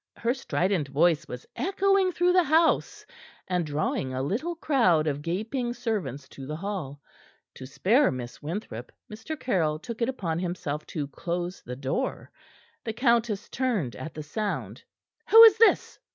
Her strident voice was echoing through the house and drawing a little crowd of gaping servants to the hall. To spare Mistress Winthrop, Mr. Caryll took it upon himself to close the door. The countess turned at the sound. "Who is this?"